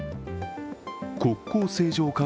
国交正常化